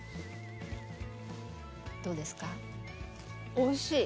おいしい？